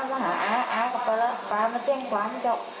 มาหาอาอาอาก็ไปแล้วป๊ามันเช่งความให้เจ้า